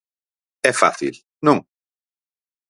É fácil ¿non?